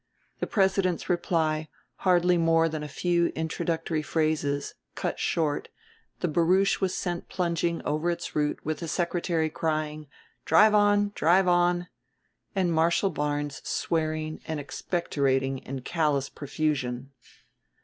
The President's reply, hardly more than a few introductory phrases, cut short, the barouche was sent plunging over its route with the Secretary crying, "Drive on! Drive on!" and Marshal Barnes swearing and expectorating in callous profusion.